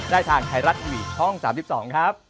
ได้ทางไทยรัตน์อีวีย์ช่อง๓๒ครับ